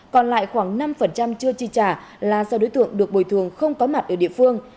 còn lại khoảng năm chưa chi trả là do đối tượng được bồi thường không có mặt ở địa phương